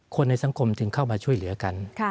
คนในสังคมถึงเข้ามาช่วยเหลือกัน